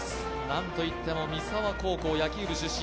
なんといっても三沢高校野球部出身。